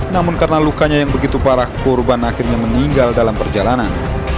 namun karena lukanya yang begitu parah korban akhirnya meninggal dalam perjalanan